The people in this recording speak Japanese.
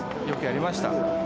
よくやりました。